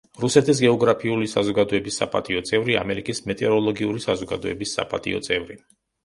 რუსეთის გეოგრაფიული საზოგადოების საპატიო წევრი, ამერიკის მეტეოროლოგიური საზოგადოების საპატიო წევრი.